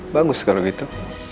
bagus kalau gitu